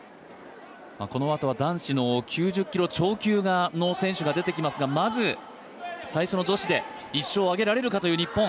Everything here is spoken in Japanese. このあとは男子の９０キロ超級の選手が出てきますがまず、最初の女子で１勝をあげられるか、日本。